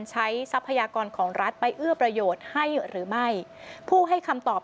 ทรัพยากรของรัฐไปเอื้อประโยชน์ให้หรือไม่ผู้ให้คำตอบ